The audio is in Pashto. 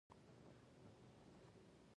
د سجدې خاورې سره اشنا زړه سخت نه شي.